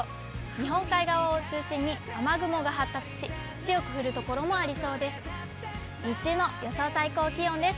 日本海側を中心に雨雲が発達し、強く降る所もありそうです。